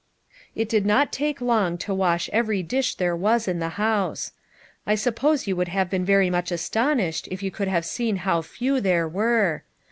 It did not take long to wash every dish there was in that house. I suppose you would hjfve been very much astonished if you could have seen how few there were